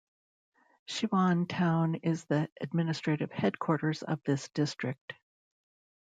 Siwan town is the administrative headquarters of this district.